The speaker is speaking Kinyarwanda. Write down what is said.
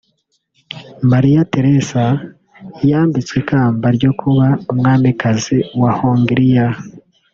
Maria Theresa yambitswe ikamba ryo kuba umwamikazi wa Hongriya